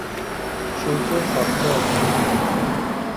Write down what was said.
সূর্য সদ্য অস্ত গিয়াছে।